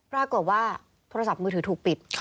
รากลัวว่าโทรศัพท์มือถือถูกปิด